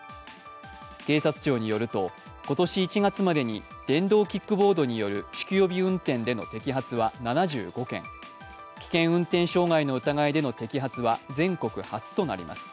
警察庁によると、今年１月までに電動キックボードによる酒気帯び運転での摘発は７５件、危険運転傷害の疑いでの摘発は全国初となります。